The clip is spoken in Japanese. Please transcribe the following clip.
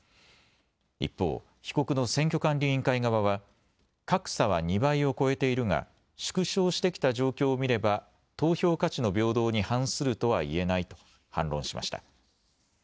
一方、被告の選挙管理委員会側は格差は２倍を超えているが縮小してきた状況を見れば投票価値の平等に反するとはいえないと反論しました。